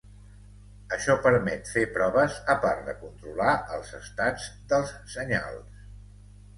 Això permet fer proves a part de controlar els estats dels senyals.